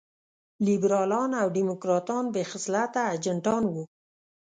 لېبرالان او ډيموکراټان بې خصلته اجنټان وو.